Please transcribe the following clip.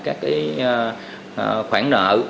các khoản nợ